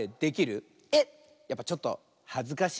えっやっぱちょっとはずかしい？